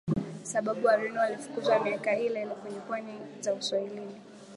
sababu Wareno walifukuzwa miaka ileile kwenye pwani za Uswahilini